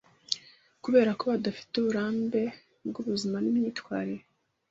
Kuberako badafite uburambe bwubuzima nimyitwarire